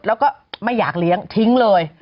แล้วก็ไม่อยากเลี้ยงทิ้งเลย